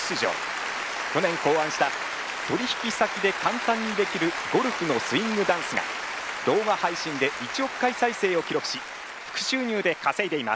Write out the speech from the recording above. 去年考案した取引先で簡単にできるゴルフのスイングダンスが動画配信で１億回再生を記録し副収入で稼いでいます。